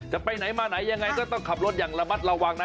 จะไปไหนมาไหนยังไงก็ต้องขับรถอย่างระมัดระวังนะ